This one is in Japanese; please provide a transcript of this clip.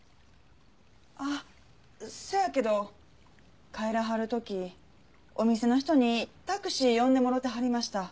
あっそやけど帰らはる時お店の人にタクシー呼んでもろてはりました。